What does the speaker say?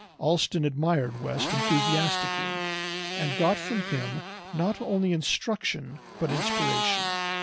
Allston admired West enthusiastically, and got from him not only instruction but inspiration.